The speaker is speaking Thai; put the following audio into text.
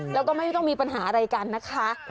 แล้วก็ไม่ต้องมีปัญหาอะไรกันนะคะ